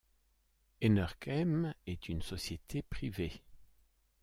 Enerkem est une société privée.